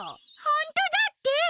ほんとだって！